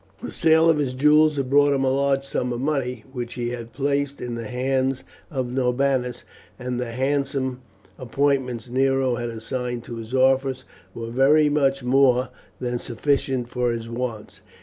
The sale of his jewels had brought him in a large sum of money, which he had placed in the hands of Norbanus; and the handsome appointments Nero had assigned to his office were very much more than sufficient for his wants.